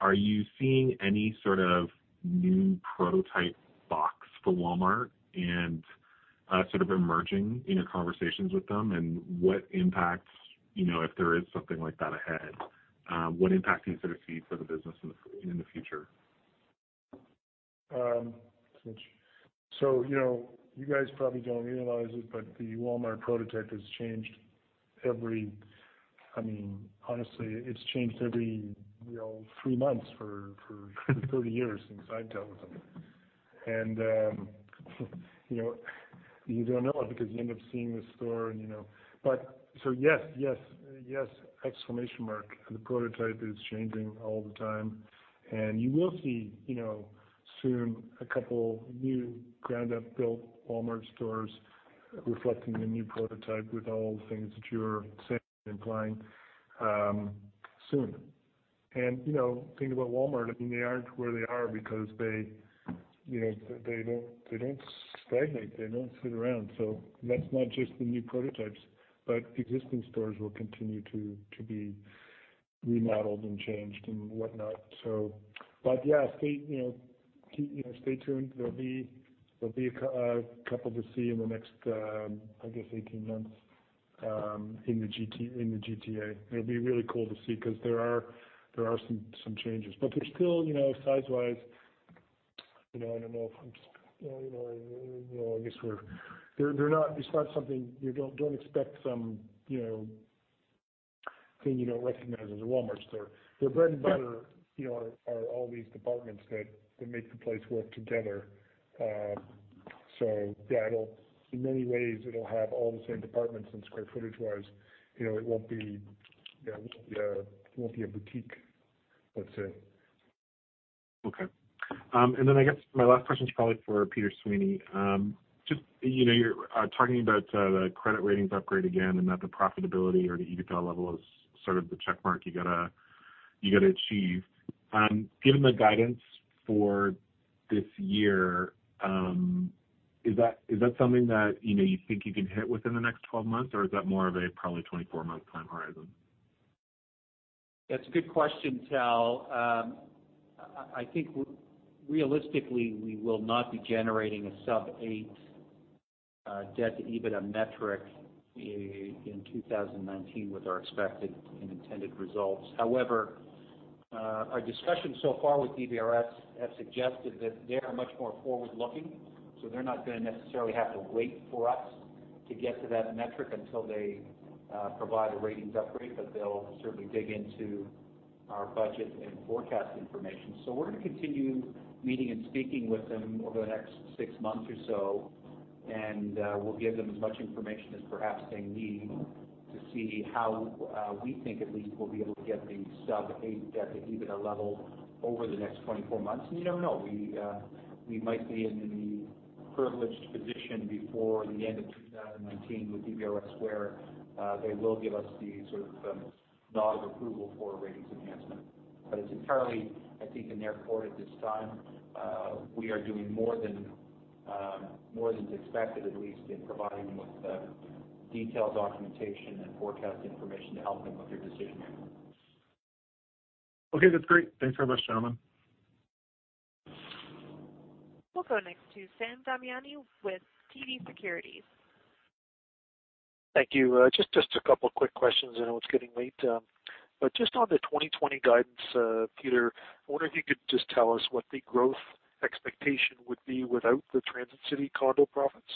are you seeing any sort of new prototype box for Walmart and sort of emerging in your conversations with them? If there is something like that ahead, what impact do you sort of see for the business in the future? You guys probably don't realize it, the Walmart prototype has changed every, honestly, it's changed every three months for 30 years since I've dealt with them. You don't know it because you end up seeing the store and you know. Yes, exclamation mark. The prototype is changing all the time. You will see soon a couple new ground-up built Walmart stores reflecting the new prototype with all the things that you're saying and implying, soon. The thing about Walmart, they aren't where they are because they don't stagnate. They don't sit around. That's not just the new prototypes, but existing stores will continue to be remodeled and changed and whatnot. Yeah, stay tuned. There will be a couple to see in the next, I guess, 18 months, in the GTA. It will be really cool to see, because there are some changes. They're still, size-wise, don't expect something you don't recognize as a Walmart store. Their bread and butter are all these departments that make the place work together. Yeah, in many ways it'll have all the same departments and square footage-wise, it won't be a boutique, let's say. Okay. I guess my last question is probably for Peter Sweeney. Just, you're talking about the credit ratings upgrade again, and that the profitability or the EBITDA level is sort of the checkmark you got to achieve. Given the guidance for this year, is that something that you think you can hit within the next 12 months, or is that more of a probably 24-month time horizon? That's a good question, Tal. I think realistically, we will not be generating a sub eight debt to EBITDA metric in 2019 with our expected and intended results. However, our discussions so far with DBRS have suggested that they are much more forward-looking. They're not going to necessarily have to wait for us to get to that metric until they provide a ratings upgrade, but they'll certainly dig into our budget and forecast information. We're going to continue meeting and speaking with them over the next six months or so, and we'll give them as much information as perhaps they need to see how we think at least we'll be able to get the sub eight debt to EBITDA level over the next 24 months. You never know. We might be in the privileged position before the end of 2019 with DBRS, where they will give us the sort of nod of approval for a ratings enhancement. It's entirely, I think, in their court at this time. We are doing more than is expected, at least, in providing them with the detailed documentation and forecast information to help them with their decision-making. Okay. That's great. Thanks very much, gentlemen. We'll go next to Sam Damiani with TD Securities. Thank you. Just a couple quick questions. I know it's getting late. Just on the 2020 guidance, Peter, I wonder if you could just tell us what the growth expectation would be without the Transit City condo profits.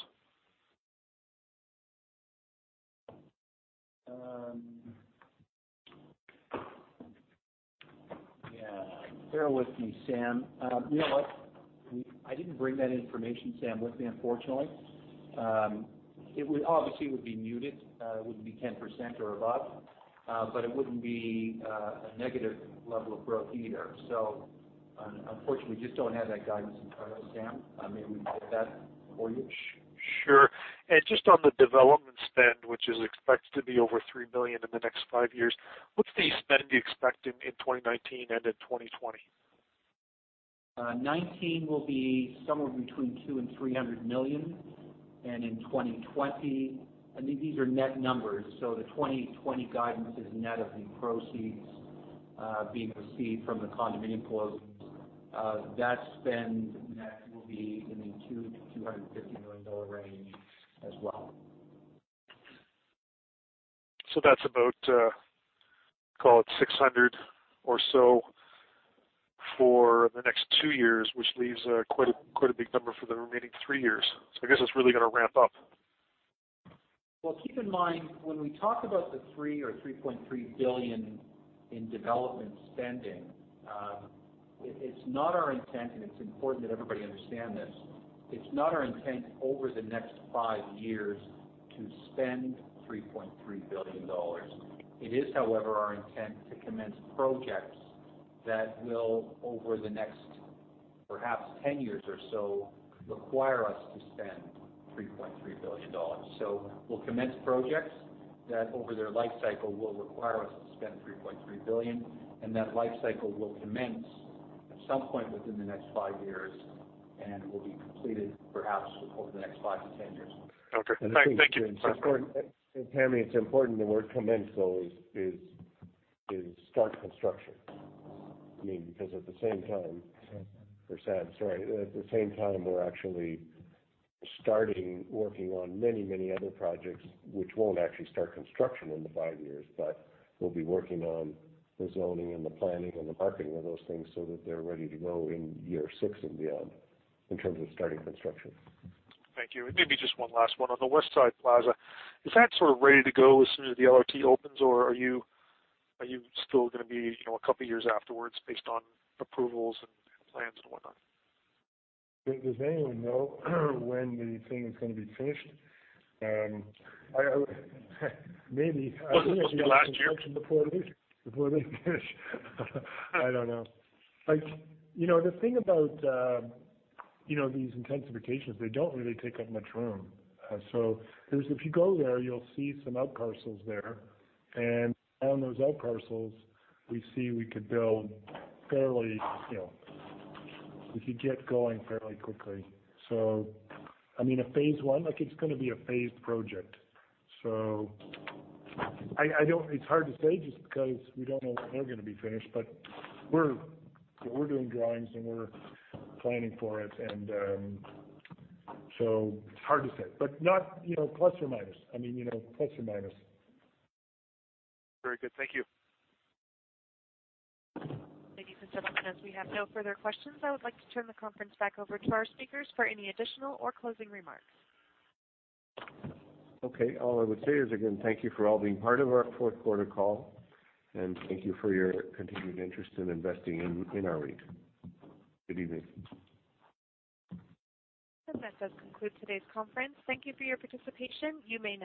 Yeah. Bear with me, Sam. You know what? I didn't bring that information, Sam, with me, unfortunately. It obviously would be muted. It wouldn't be 10% or above. It wouldn't be a negative level of growth either. Unfortunately, just don't have that guidance in front of us, Sam. Maybe we can get that for you. Sure. Just on the development spend, which is expected to be over 3 billion in the next five years, what's the spend you're expecting in 2019 and in 2020? 2019 will be somewhere between 200 million and 300 million. In 2020, I think these are net numbers, so the 2020 guidance is net of the proceeds being received from the condominium closings. That spend net will be in the 200 million-250 million dollar range as well. That's about, call it 600 million or so for the next two years, which leaves quite a big number for the remaining three years. I guess it's really going to ramp up. Well, keep in mind, when we talk about the 3 billion or 3.3 billion in development spending, it's not our intent, and it's important that everybody understand this, it's not our intent over the next five years to spend 3.3 billion dollars. It is, however, our intent to commence projects that will, over the next perhaps 10 years or so, require us to spend 3.3 billion dollars. We'll commence projects that over their lifecycle will require us to spend 3.3 billion, and that lifecycle will commence at some point within the next five years and will be completed perhaps over the next five to 10 years. Okay. Thank you. Sam, it is important the word commence, though, is start construction. At the same time, Sorry. For Sam, sorry. At the same time, we are actually starting working on many other projects which will not actually start construction in the five years, but we will be working on the zoning and the planning and the marketing of those things so that they are ready to go in year six and beyond, in terms of starting construction. Thank you. Maybe just one last one. On the Westside Mall, is that sort of ready to go as soon as the LRT opens, or are you still going to be a couple of years afterwards based on approvals and plans and whatnot? Does anyone know when the thing is going to be finished? Wasn't it supposed to be last year? Before they finish. I don't know. The thing about these intensifications, they don't really take up much room. If you go there, you'll see some outparcels there. On those outparcels, we see we could get going fairly quickly. A phase I, it's going to be a phased project. It's hard to say just because we don't know when they're going to be finished. We're doing drawings, and we're planning for it. It's hard to say. Very good. Thank you. Ladies and gentlemen, as we have no further questions, I would like to turn the conference back over to our speakers for any additional or closing remarks. Okay. All I would say is, again, thank you for all being part of our fourth quarter call. Thank you for your continued interest in investing in our REIT. Good evening. That does conclude today's conference. Thank you for your participation. You may now disconnect.